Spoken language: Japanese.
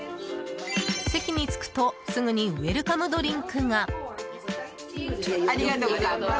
席に着くとすぐにウェルカムドリンクが。